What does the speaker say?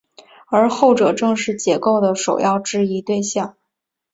而后者正是解构的首要质疑对象。